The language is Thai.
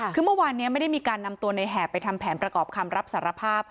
คือเมื่อวานนี้ไม่ได้มีการนำตัวในแหบไปทำแผนประกอบคำรับสารภาพ